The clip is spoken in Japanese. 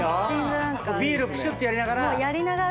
ビールプシュッとやりながら。